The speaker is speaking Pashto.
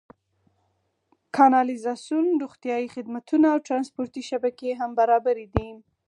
کانالیزاسیون، روغتیايي خدمتونه او ټرانسپورتي شبکې هم برابرې دي.